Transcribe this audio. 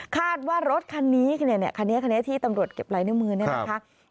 คาดว่ารถคันนี้ที่ตำรวจเก็บลายหน้ามือนี่นะคะ